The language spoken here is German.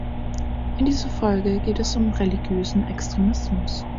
In dieser Folge geht es um religiösen Extremismus.